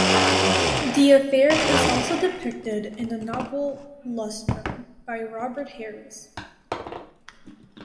The affair is also depicted in the novel "Lustrum" by Robert Harris.